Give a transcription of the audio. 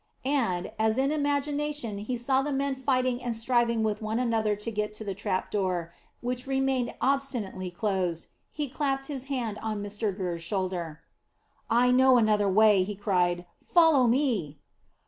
And, as in imagination he saw the men fighting and striving with one another to get to the trap door, which remained obstinately closed, he clapped his hand on Mr Gurr's shoulder. "I know another way," he cried. "Follow me."